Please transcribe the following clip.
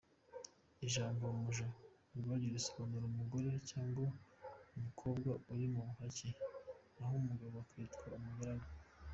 Ijambo ‘umuja’ ubwaryo rigasobanura umugore cyangwa umukobwa uri mu buhake, naho umugabo akitwa ‘umugaragu.